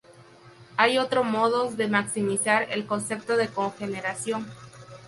Hay otro modos de maximizar el concepto de cogeneración.